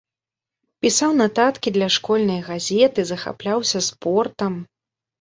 Пісаў нататкі для школьнай газеты, захапляўся спортам.